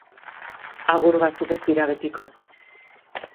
Agur batzuk ez dira betiko.